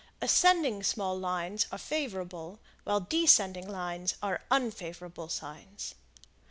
Ascending small lines are favorable, while descending lines are unfavorable signs.